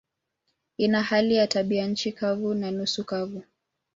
Ina hali ya tabianchi kavu na nusu kavu.